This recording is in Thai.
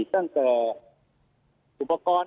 ตั้งแต่อุปกรณ์